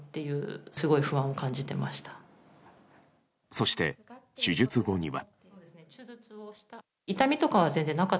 そして、手術後には。